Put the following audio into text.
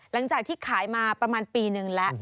หลังจากที่ขายมาประมาณปีนึงแล้ว